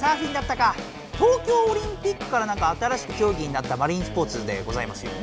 東京オリンピックからなんか新しくきょうぎになったマリンスポーツでございますよね